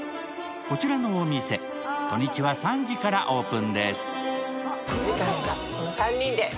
こちらのお店、土日は３時からオープンです。